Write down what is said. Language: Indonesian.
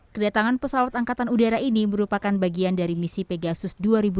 kedatangan pesawat angkatan udara ini merupakan bagian dari misi pegasus dua ribu dua puluh